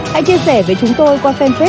hãy chia sẻ với chúng tôi qua fanpage